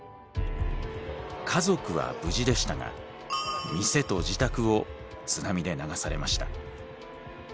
家族は無事でしたが店と自宅を津波で流されました。